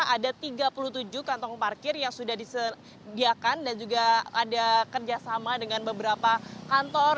ada tiga puluh tujuh kantong parkir yang sudah disediakan dan juga ada kerjasama dengan beberapa kantor